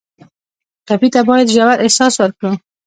ټپي ته باید ژور احساس ورکړو.